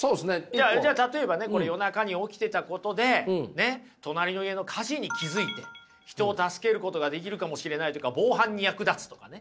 じゃあ例えばねこれ夜中に起きてたことでねっ隣の家の火事に気付いて人を助けることができるかもしれないとか防犯に役立つとかね。